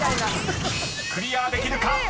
［クリアできるか？